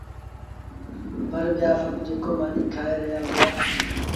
پر ٻيآ سڀ جيڪو مآݩيٚ کآئي رهيآ هُݩدآ